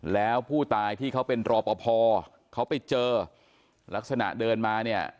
แล้วผู้ตายที่เขาเป็นรอปภเขาไปเจอลักษณะเดินมาเนี่ย